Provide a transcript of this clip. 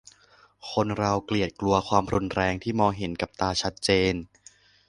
คนเราเกลียดกลัวความรุนแรงที่มองเห็นกับตาชัดเจน